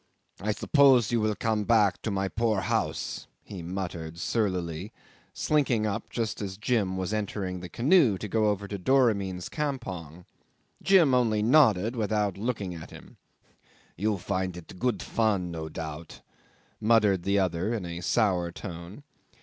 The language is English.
"I suppose you will come back to my poor house," he muttered, surlily, slinking up just as Jim was entering the canoe to go over to Doramin's campong. Jim only nodded, without looking at him. "You find it good fun, no doubt," muttered the other in a sour tone.